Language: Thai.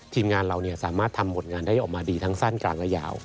ทีมงานเราสามารถทำผลงานได้ออกมาดีทั้งสั้นกลางและยาว